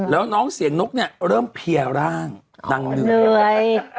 แล้วน้องเสียงนกเนี่ยเริ่มเพียร่างนั่งเหนื่อย